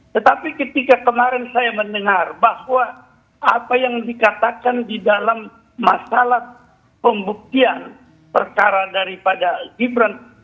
tetapi ketika kemarin saya mendengar bahwa apa yang dikatakan di dalam masalah pembuktian perkara daripada gibran